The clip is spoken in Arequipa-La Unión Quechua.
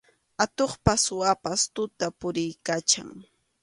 Atuqpas suwapas tuta puriykachan.